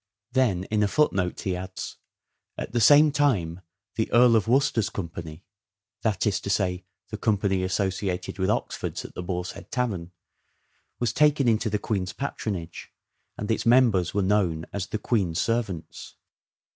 Then in a footnote he adds, " At the same time the Earl of Worcester's company (that is to say the company associated with Oxford's at the Boar's Head Tavern) was taken into the Queen's patronage, and its members were known as the Queen's servants."